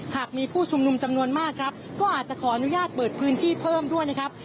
หากมีผู้ชุมนุมจำนวนมากครับก็อาจจะขออนุญาตเปิดพื้นที่เพิ่มด้วยนะครับ